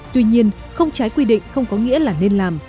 tuy nhiên không trái quy định không có nghĩa là nên làm